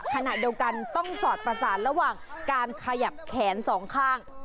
ขณะเดียวกันต้องสอดประสานระหว่างการขยับแขนสองข้าง